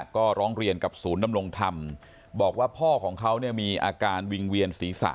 ก็ร้องเรียนกับศูนย์ดำรงธรรมบอกว่าพ่อของเขาเนี่ยมีอาการวิงเวียนศีรษะ